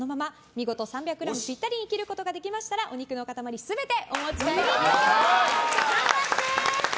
見事３００ｇピッタリに切ることができましたらお肉の塊全てお持ち帰りいただけます。